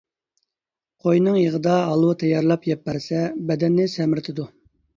قوينىڭ يېغىدا ھالۋا تەييارلاپ يەپ بەرسە، بەدەننى سەمرىتىدۇ.